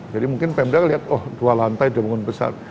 jadi mungkin pemda lihat oh dua lantai dua bangun besar